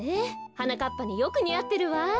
はなかっぱによくにあってるわ。